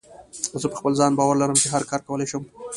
زه په خپل ځان باور لرم چې هر کار کولی شم.